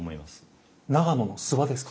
長野の諏訪ですか？